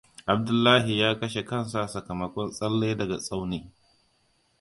Abdullahi ya kashe kansa sakamakon tsalle daga tsauni.